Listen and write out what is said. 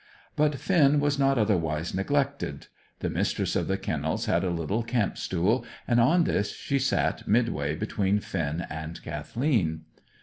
But Finn was not otherwise neglected. The Mistress of the Kennels had a little camp stool, and on this she sat mid way between Finn and Kathleen.